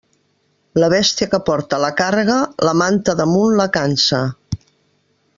La bèstia que porta la càrrega, la manta damunt la cansa.